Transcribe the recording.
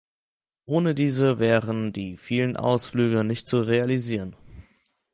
Ohne diese wären die vielen Ausflüge nicht zu realisieren.